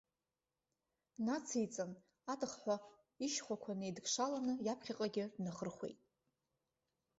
Нациҵан, атахҳәа ишьхәақәа неидкшаланы, иаԥхьаҟагьы днахырхәеит.